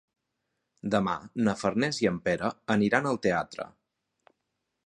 Demà na Farners i en Pere aniran al teatre.